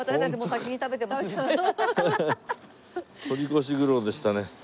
取り越し苦労でしたね。